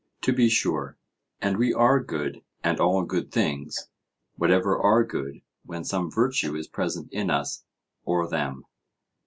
To be sure. And we are good, and all good things whatever are good when some virtue is present in us or them?